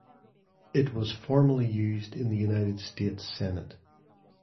It was formerly used in the United States Senate.